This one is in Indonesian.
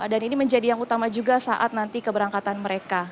dan ini menjadi yang utama juga saat nanti keberangkatan mereka